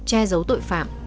che giấu tội phạm